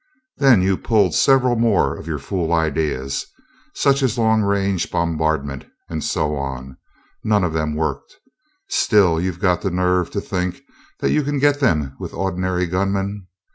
Then you pulled several more of your fool ideas, such as long range bombardment, and so on. None of them worked. Still you've got the nerve to think that you can get them with ordinary gunmen!